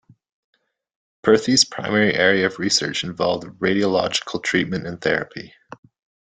Perthes' primary area of research involved radiological treatment and therapy.